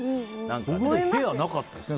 俺、部屋なかったですね。